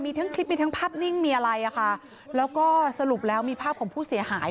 มีทั้งคลิปมีทั้งภาพนิ่งมีอะไรอ่ะค่ะแล้วก็สรุปแล้วมีภาพของผู้เสียหาย